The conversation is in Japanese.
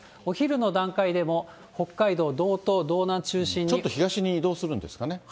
お昼の段階でも北海道、ちょっと東に移動するんです